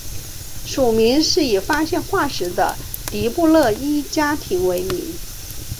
属名是以发现化石的迪布勒伊家庭为名。